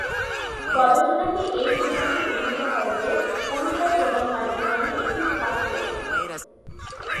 গবেষণাটি এই সিদ্ধান্তে উপনীত হয় যে, পুরস্কার প্রদান কার্যক্রমে একটি ফাঁক রয়েছে।